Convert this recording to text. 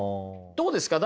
どうですか？